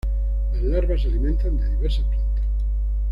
Las larvas se alimentan de diversas plantas.